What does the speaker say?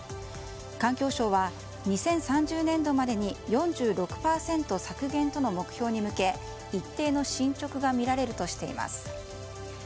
環境省は２０３０年度までに４６％削減との目標に向け一定の進捗が見られるとしています。